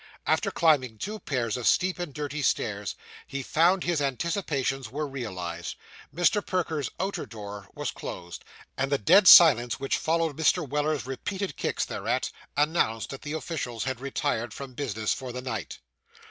After climbing two pairs of steep and dirty stairs, he found his anticipations were realised. Mr. Perker's 'outer door' was closed; and the dead silence which followed Mr. Weller's repeated kicks thereat, announced that the officials had retired from business for the night.